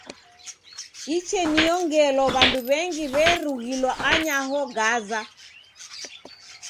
Icheniyo ngelo w'andu w'engi w'erughilwa anyaho Gaza.